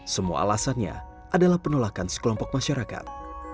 semua alasannya adalah penolakan sekelompok masyarakat